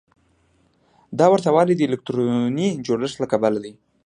دا ورته والی د الکتروني جوړښت له کبله دی.